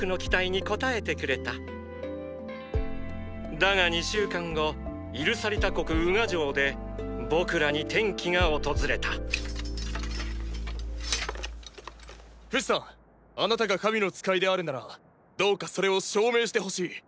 だが２週間後イルサリタ国ウガ城でーー僕らに転機が訪れたフシさんあなたが神の使いであるならどうかそれを証明してほしい。